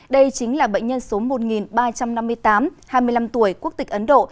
đây chính là bệnh nhân số một ba trăm năm mươi tám hai mươi năm tuổi quốc tịch ấn độ